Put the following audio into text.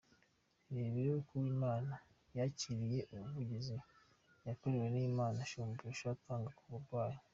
Irebere uko Uwimana yakiriye ubuvuzi yakorewe n’Inama Shumbusho atanga ku barwayi.